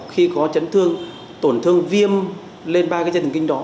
khi có chấn thương tổn thương viêm lên ba cái chân thần kinh đó